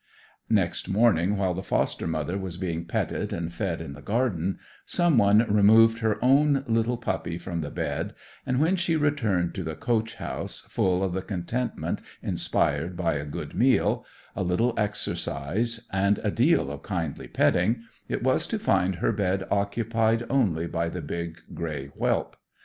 Next morning, while the foster mother was being petted and fed in the garden, some one removed her own little puppy from the bed, and when she returned to the coach house, full of the contentment inspired by a good meal, a little exercise, and a deal of kindly petting, it was to find her bed occupied only by the big grey whelp.